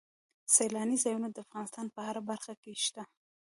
سیلاني ځایونه د افغانستان په هره برخه کې شته.